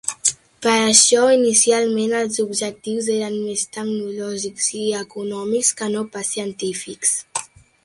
Per això inicialment els objectius eren més tecnològics i econòmics que no pas científics.